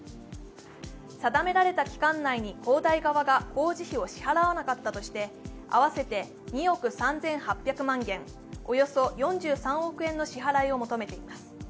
定められた期間内に恒大側が工事費を支払わなかったとして合わせて２億３８００万元、およそ４３億円の支払いを求めています。